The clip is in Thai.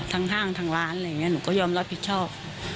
ห้างทางร้านอะไรอย่างนี้หนูก็ยอมรับผิดชอบ